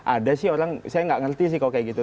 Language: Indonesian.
ada sih orang saya nggak ngerti sih kalau kayak gitu